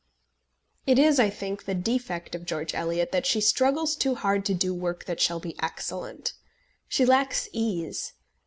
It is, I think, the defect of George Eliot that she struggles too hard to do work that shall be excellent. She lacks ease.